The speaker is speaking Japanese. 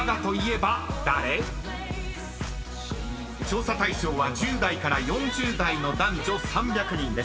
［調査対象は１０代から４０代の男女３００人です］